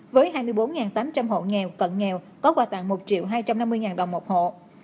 với hai mươi bốn tám trăm linh hộ nghèo cận nghèo có quà tặng một hai trăm năm mươi đồng một hộ